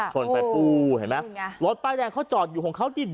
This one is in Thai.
ชนไปปูเห็นไหมรถป้ายแดงเขาจอดอยู่ของเขาดิน